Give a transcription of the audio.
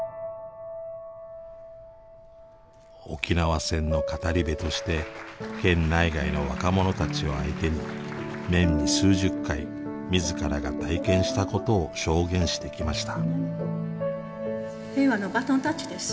沖縄戦の語り部として県内外の若者たちを相手に年に数十回自らが体験したことを証言してきました。